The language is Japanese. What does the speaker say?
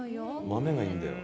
豆がいいんだよ。